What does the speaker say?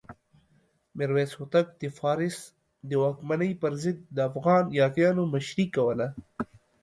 میرویس هوتک د فارس د واکمنۍ پر ضد د افغان یاغیانو مشري کوله.